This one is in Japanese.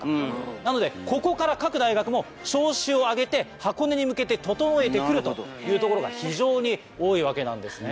なのでここから各大学も調子を上げて箱根に向けて整えて来るというところが非常に多いわけなんです。